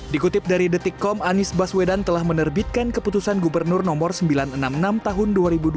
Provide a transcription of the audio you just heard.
dikutip dari detikkom anies baswedan telah menerbitkan keputusan gubernur nomor sembilan ratus enam puluh enam tahun dua ribu dua puluh